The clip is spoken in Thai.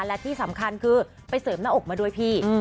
และที่สำคัญคือไปเสริมหน้าอกมาด้วยพี่